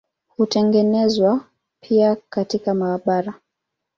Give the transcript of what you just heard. Hutengenezwa pia katika maabara.